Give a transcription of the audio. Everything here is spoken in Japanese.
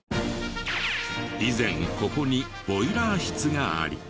以前ここにボイラー室があり。